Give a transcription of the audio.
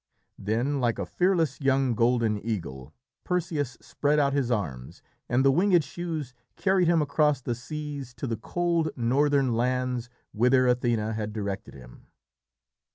Then, like a fearless young golden eagle, Perseus spread out his arms, and the winged shoes carried him across the seas to the cold northern lands whither Athené had directed him.